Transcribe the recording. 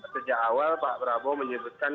sejak awal pak prabowo menyebutkan